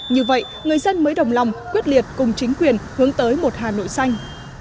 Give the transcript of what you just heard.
như vậy người dân mới đồng lòng quyết liệt cùng chính quyền hướng tới một hà nội xanh